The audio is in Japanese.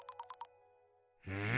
うん？